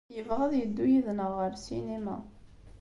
Yebɣa ad yeddu yid-neɣ ɣer ssinima.